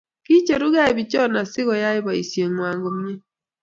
kicherukei biichoo sikoyei boisiengwany komie